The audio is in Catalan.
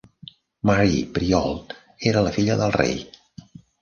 Marie Priault era la filla del rei.